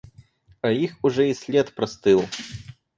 А их уже и след простыл.